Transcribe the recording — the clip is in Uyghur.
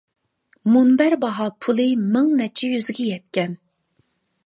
مۇنبەر باھا پۇلى مىڭ نەچچە يۈزگە يەتكەن.